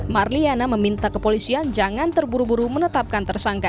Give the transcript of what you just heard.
marliana meminta kepolisian jangan terburu buru menetapkan tersangka